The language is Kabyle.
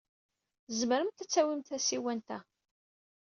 Tzemremt ad tawimt tasiwant-a.